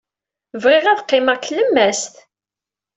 Bɣiɣ ad qqimeɣ deg tlemmast.